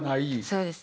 そうです。